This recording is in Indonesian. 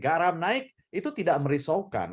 garam naik itu tidak merisaukan